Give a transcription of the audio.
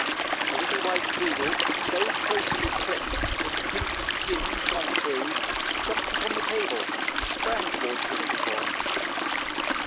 A little white poodle, so closely clipped that the pink skin shone through, jumped upon the table and sprang towards the little boy.